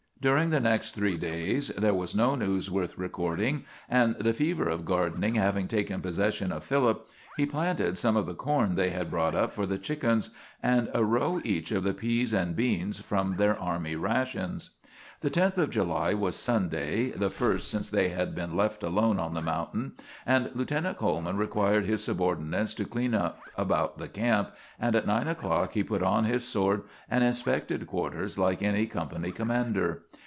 During the next three days there was no news worth recording, and the fever of gardening having taken possession of Philip, he planted some of the corn they had brought up for the chickens, and a row each of the peas and beans from their army rations. The 10th of July was Sunday, the first since they had been left alone on the mountain; and Lieutenant Coleman required his subordinates to clean up about the camp, and at nine o'clock he put on his sword and inspected quarters like any company commander.